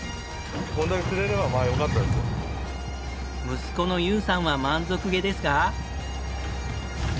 息子の優さんは満足げですが。